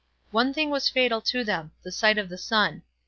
One thing was fatal to them—the sight of the sun.